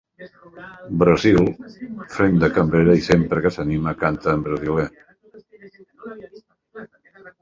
Brasil fent de cambrera i sempre que s'anima canta en brasiler.